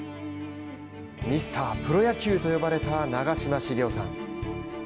ミスタープロ野球と呼ばれた長嶋茂雄さん。